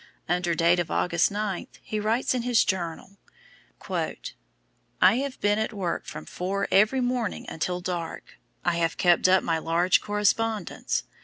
Under date of August 9, he writes in his journal: "I have been at work from four every morning until dark; I have kept up my large correspondence.